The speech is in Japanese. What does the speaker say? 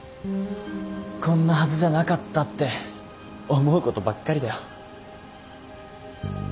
こんなはずじゃなかったって思うことばっかりだよ。